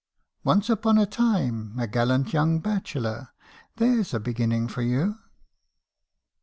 'Once upon a time, a gallant young bachelor —' There 's a beginning for you